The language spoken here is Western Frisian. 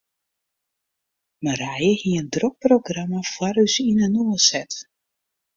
Marije hie in drok programma foar ús yninoar set.